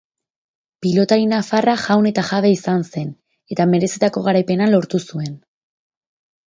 Pilotari nafarra jaun eta jabe izan zen, eta merezitako garaipena lortu zuen.